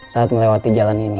saat melewati jalan ini